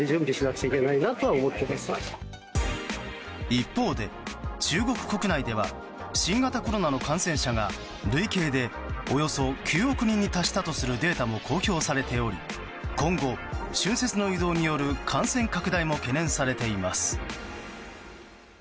一方で、中国国内では新型コロナの感染者が累計でおよそ９億人に達したとするデータも公表されており今後、春節の移動による感染拡大も懸念されています。